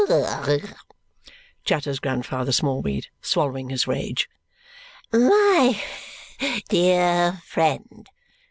U u u ugh!" chatters Grandfather Smallweed, swallowing his rage. "My dear friend!"